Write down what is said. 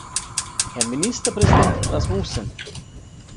Herr Ministerpräsident Rasmussen!